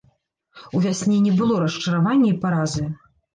У вясне не было расчаравання і паразы.